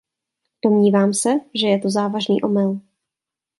Domnívám se, že je to závažný omyl.